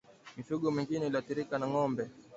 Mifugo mingine inayoathirika ni ngombe